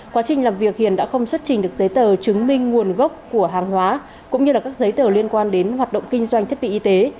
quá trình làm việc hiền đã không xuất trình được giấy tờ chứng minh nguồn gốc của hàng hóa cũng như các giấy tờ liên quan đến hoạt động kinh doanh thiết bị y tế